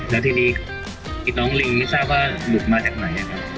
แล้วทีนี้น้องลิงไม่ทราบว่าหลุดมาจากไหน